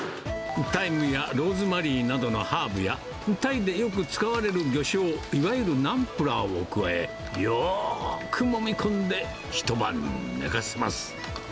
タイムやローズマリーなどのハーブや、タイでよく使われる魚しょう、いわゆるナンプラーを加え、よーくもみ込んで、一晩寝かせます。